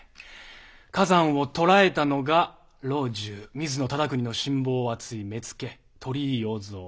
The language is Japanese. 崋山を捕らえたのが老中水野忠邦の信望あつい目付鳥居耀蔵。